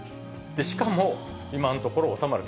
しかも、今のところ収まる